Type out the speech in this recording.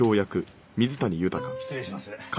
失礼します。